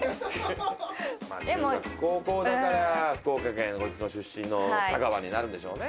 中学高校だから福岡県こいつの出身の田川になるんでしょうね。